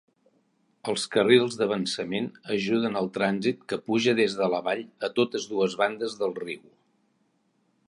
Els carrils d'avançament ajuden el trànsit que puja des de la vall a totes dues bandes del riu.